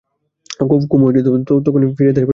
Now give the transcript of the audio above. কুমু তখনই ফিরে দাঁড়িয়ে বললে, কী চাও বলো।